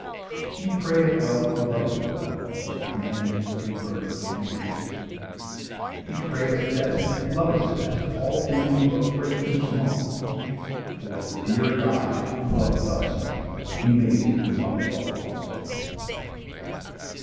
He prayeth well, who loveth well Both man and bird and beast. He prayeth best, who loveth best All things both great and small; For the dear God who loveth us He made and loveth all.